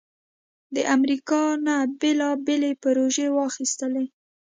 د امریکا نه بیلابیلې پروژې واخستلې